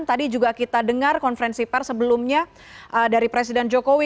tadi juga kita dengar konferensi pers sebelumnya dari presiden jokowi